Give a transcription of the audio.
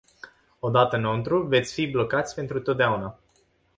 Odată înăuntru, veți fi blocați pentru totdeauna.